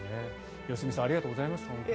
良純さんありがとうございます。